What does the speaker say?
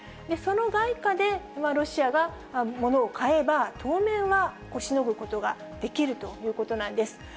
その外貨でロシアがものを買えば、当面はしのぐことができるということなんです。